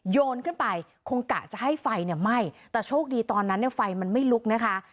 โยนขึ้นไปคงกะจะให้ไฟเนี่ยไหม้แต่โชคดีตอนนั้นเนี่ยไฟมันไม่ลุกนะคะ